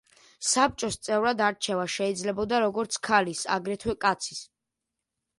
საბჭოს წევრად არჩევა შეიძლებოდა, როგორც ქალის, აგრეთვე კაცის.